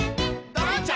「ドロンチャ！